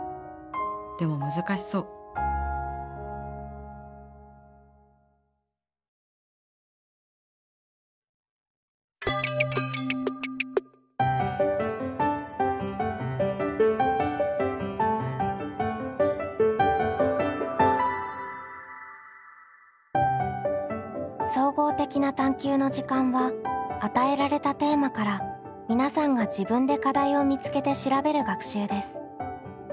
でも難しそう「総合的な探究の時間」は与えられたテーマから皆さんが自分で課題を見つけて調べる学習です。